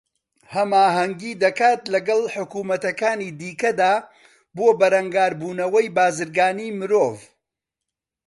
ھەماھەنگی دەکات لەگەڵ حوکمەتەکانی دیکەدا بۆ بەرەنگاربوونەوەی بازرگانیی مرۆڤ